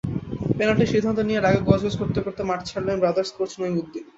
পেনাল্টির সিদ্ধান্ত নিয়ে রাগে গজগজ করতে করতে মাঠ ছাড়লেন ব্রাদার্স কোচ নইমুদ্দিন।